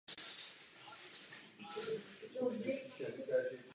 Zdravím, bod jedna může být volitelný.